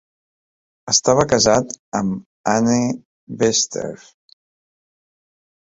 Estava casat amb Anne Vester.